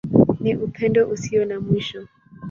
Ni Upendo Usio na Mwisho.